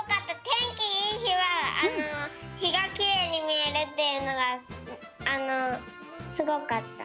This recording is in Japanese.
てんきいいひはひがきれいにみえるっていうのがすごかった！